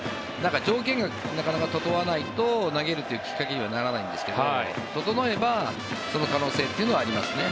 条件がなかなか整わないと投げるというきっかけにはならないんですけど整えばその可能性というのはありますね。